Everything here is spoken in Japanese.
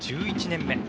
１１年目。